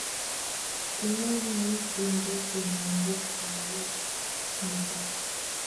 Kimagimiten Boston agot sait noto